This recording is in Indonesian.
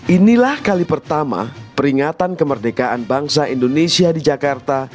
inilah kali pertama peringatan kemerdekaan bangsa indonesia di jakarta